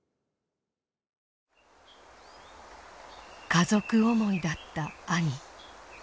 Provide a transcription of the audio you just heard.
家族思いだった兄。